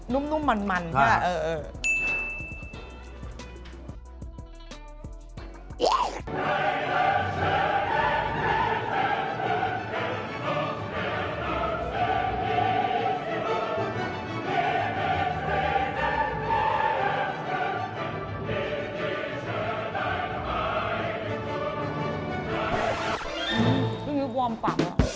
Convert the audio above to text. นุ่มนุ่มมันมันนี่นะ